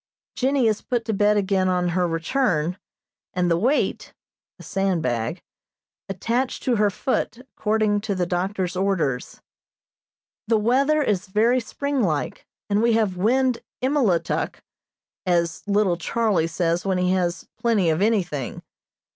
Jennie is put to bed again on her return, and the weight a sand bag attached to her foot, according to the doctor's orders. The weather is very springlike, and we have wind "emeliktuk," as little Charlie says when he has a plenty of anything.